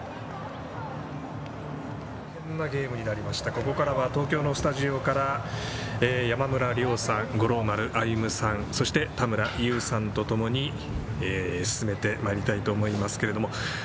ここからは東京のスタジオから、山村亮さん五郎丸歩さん田村優さんとともに進めてまいりたいと思いますが。